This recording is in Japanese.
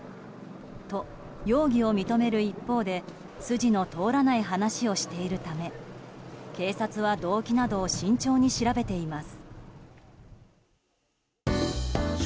と、容疑を認める一方で筋の通らない話をしているため警察は動機などを慎重に調べています。